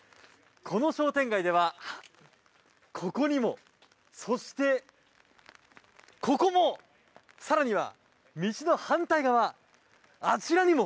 この商店街ではここにも、そしてここも更には道の反対側、あちらにも。